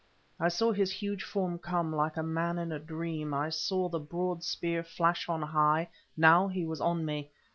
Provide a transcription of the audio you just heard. I saw his huge form come; like a man in a dream, I saw the broad spear flash on high; now he was on me!